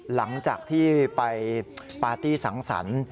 หลังจากที่ไปปาร์ตี้สังสรรค์